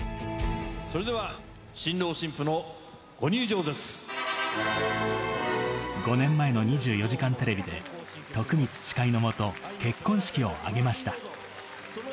それでは、新郎新婦のご入場５年前の２４時間テレビで、徳光司会のもと、結婚式を挙げました。